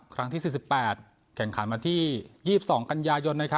ครั้งที่๔๘กันขาดมาที่๒๒กันยายน